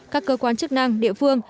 các cơ quan chức năng địa phương